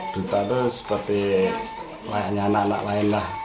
duta itu seperti layaknya anak anak lain lah